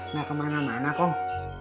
nah kemana mana kong